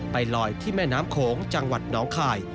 ไปลอยที่แม่น้ำโขงจังหวัดน้องคาย